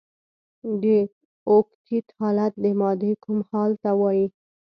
د اوکتیت حالت د مادې کوم حال ته وايي؟